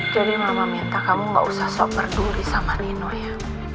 jadi mama minta kamu gak usah sok peduli sama nino ya